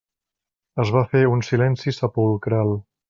Es va fer un silenci sepulcral.